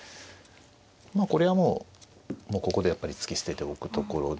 まあこれはもうここでやっぱり突き捨てておくところで。